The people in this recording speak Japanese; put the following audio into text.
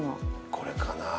これかなぁ。